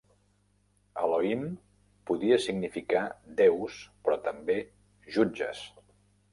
Elohim podia significar 'déus' però també 'jutges'.